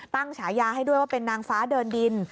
ฉายาให้ด้วยว่าเป็นนางฟ้าเดินดิน